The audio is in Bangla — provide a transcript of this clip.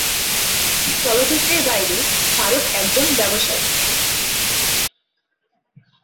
চলচ্চিত্রের বাইরে ফারুক একজন ব্যবসায়ী।